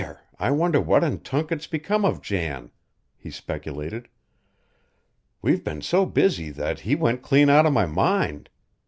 I wonder what in tunket's become of Jan," he speculated. "We've been so busy that he went clean out of my mind.